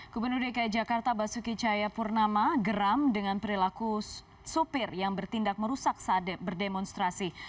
kubenudeka jakarta basuki cahaya purnama geram dengan perilaku sopir yang bertindak merusak saat berdemonstrasi